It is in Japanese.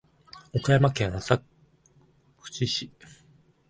岡山県浅口市